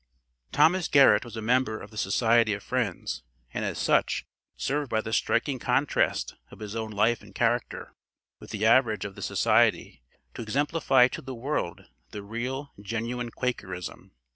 Thomas Garrett was a member of the Society of Friends, and as such, served by the striking contrast of his own life and character, with the average of the Society, to exemplify to the world the real, genuine Quakerism.